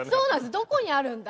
どこにあるんだ？